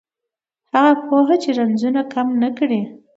هغه پوهه چې رنځونه کم نه کړي